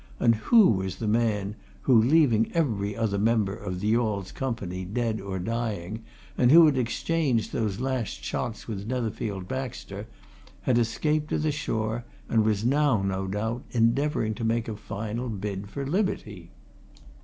and who was the man who, leaving every other member of the yawl's company dead or dying and who had exchanged those last shots with Netherfield Baxter, had escaped to the shore and was now, no doubt, endeavouring to make a final bid for liberty?